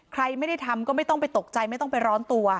ใครไม่ได้ทำก็ไม่ต้องไปตกใจไม่ต้องไปร้อนตัว